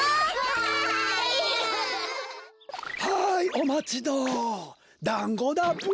はいおまちどうだんごだブ。